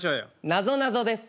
なぞなぞです。